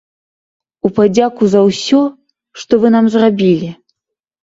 У падзяку за ўсе, што вы нам зрабілі.